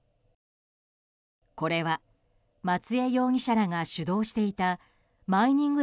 これは松江容疑者らが主導していたマイニング